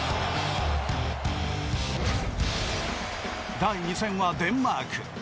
第２戦はデンマーク。